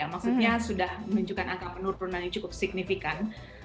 maksudnya sudah menunjukkan angka penurunan yang cukup signifikan